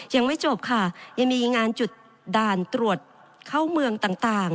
ยังไม่จบค่ะยังมีงานจุดด่านตรวจเข้าเมืองต่าง